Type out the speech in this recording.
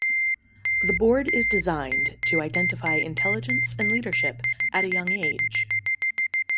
The Board is designed to identify intelligence and leadership at a young age.